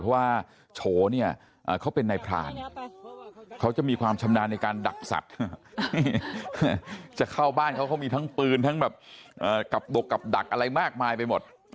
เพราะว่าโฉเนี่ยเขาเป็นนายพรานเขาจะมีความชำนาญในการดักสัตว์จะเข้าบ้านเขาเขามีทั้งปืนทั้งแบบกับดกกับดักอะไรมากมายไปหมด